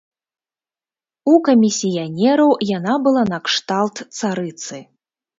У камісіянераў яна была накшталт царыцы.